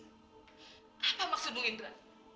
apa maksudmu indra